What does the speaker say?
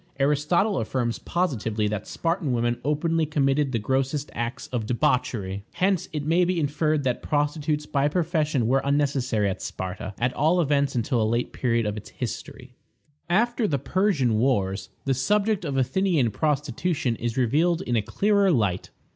Aristotle affirms positively that the Spartan women openly committed the grossest acts of debauchery. Hence it may be inferred that prostitutes by profession were unnecessary at Sparta, at all events until a late period of its history. After the Persian wars, the subject of Athenian prostitution is revealed in a clearer light.